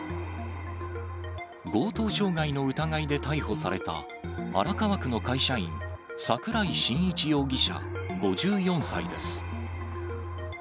強盗傷害の疑いで逮捕された、荒川区の会社員、桜井進一容疑者５４歳です。